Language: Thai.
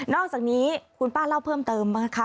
อกจากนี้คุณป้าเล่าเพิ่มเติมนะคะ